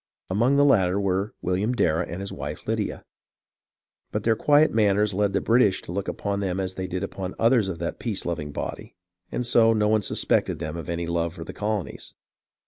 Among the latter were William Dar rah and his wife Lydia ; but their quiet manners led the British to look upon them as they did upon others of that peace loving body, and so no one suspected them of any love for the colonies.